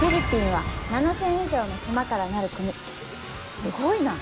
すごいな！